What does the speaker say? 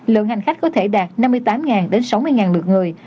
lượng hành khách có thể đạt năm mươi tám sáu mươi lượt người